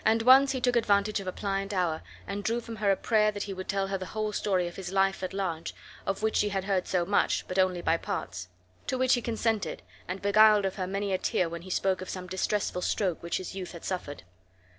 And once he took advantage of a pliant hour and drew from her a prayer that he would tell her the whole story of his life at large, of which she had heard so much, but only by parts. To which he consented, and beguiled her of many a tear when he spoke of some distressful stroke which his youth had suffered.